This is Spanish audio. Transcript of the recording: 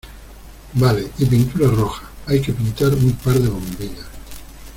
vale. y pintura roja . hay que pintar un par de bombillas .